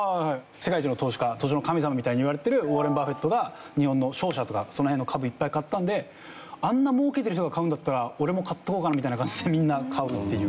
世界一の投資家投資の神様みたいに言われてるウォーレン・バフェットが日本の商社とかその辺の株いっぱい買ったんであんな儲けてる人が買うんだったら俺も買っとこうかなみたいな感じでみんな買うっていう。